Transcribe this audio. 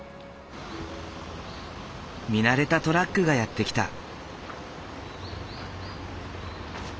見慣れたトラックがやって来た。